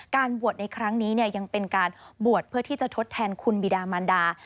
บวชในครั้งนี้ยังเป็นการบวชเพื่อที่จะทดแทนคุณบิดามันดา